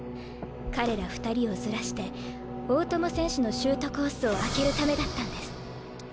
彼ら２人をずらして大友選手のシュートコースを空けるためだったんです。